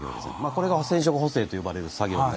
これが染色補正と呼ばれる作業になります。